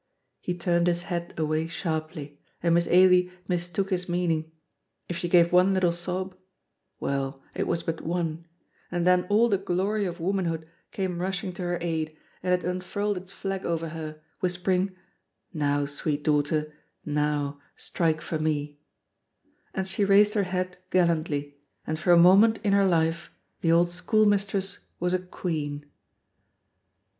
He turned his head away sharply, and Miss Ailie mistook his meaning. If she gave one little sob Well, it was but one, and then all the glory of womanhood came rushing to her aid, and it unfurled its flag over her, whispering, "Now, sweet daughter, now, strike for me," and she raised her head gallantly, and for a moment in her life the old school mistress was a queen.